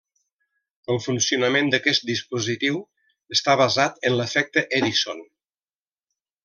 El funcionament d'aquest dispositiu està basat en l'efecte Edison.